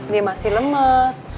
dia masih lemes